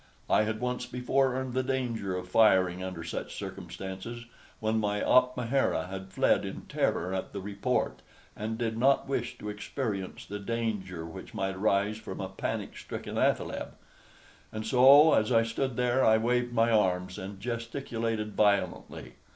I had once before I learned the danger of firing under such circumstances, when my opmahera had fled in terror at the report, and did not wish to experience the danger which might arise from a panic stricken athaleb; and so as I stood there I waved my arms and gesticulated violently.